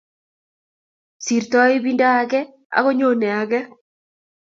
Sirtoi ibinda age ak nyoonei age.